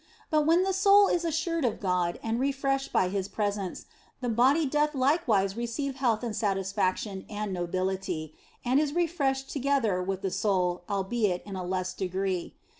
But when the soul is assured of God and is refreshed by His presence, the body doth likewise receive health and satisfaction and nobility, and is refreshed together with the soul, albeit in a less degree.